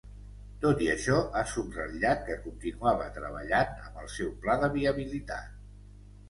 Tot i això, ha subratllat que continuava treballant amb el seu pla de viabilitat.